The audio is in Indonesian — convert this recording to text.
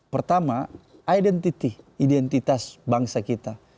pertama identitas bangsa kita